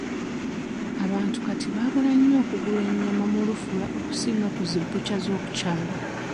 Abantu Kati baagala nnyo okugula ennyama mu lufula okusinga ku zi Bbukya z'oku byalo.